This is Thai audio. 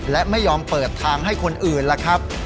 และไม่ยอมเปิดทางให้คนอื่นล่ะครับ